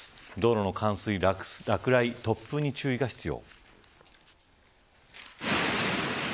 道路の冠水、落雷突風に注意が必要。